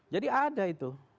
jadi ada itu